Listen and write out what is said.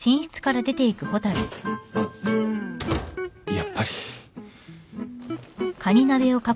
やっぱり。